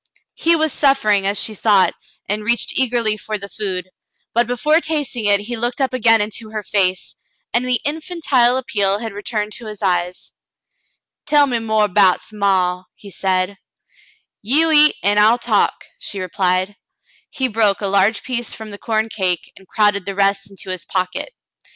He was suffering, as she thought, and reached eagerly for the food, but before tasting it he looked up again into her face, and the infantile appeal had returned to his eyes. "Tell me more 'bouts maw," he said. "You eat, an' I'll talk," she replied. He broke a large piece from the corn cake and crowded the rest into his Aunt Sally meets Frale 33 pocket.